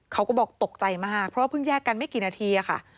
เขาก็บอกตกใจมากเพราะว่าเพิ่งแยกกันไม่กี่นาทีค่ะ